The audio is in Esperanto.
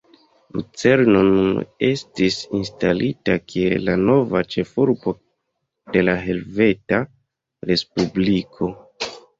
Lucerno nun estis instalita kiel la nova ĉefurbo de la Helveta Respubliko.